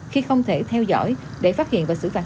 khi không thể theo dõi để phát hiện và xử phạt